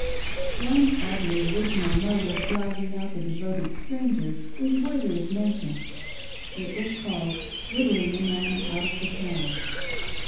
One oddly original mode of driving out the devoted stranger is worthy of mention — it was called " whittling a man out of the town